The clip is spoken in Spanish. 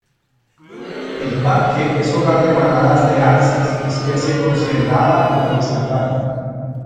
El parque es hogar de manadas de alces, especie considerada como estatal.